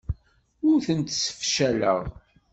Ur tent-ssefcaleɣ.